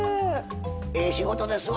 ええ仕事ですわ！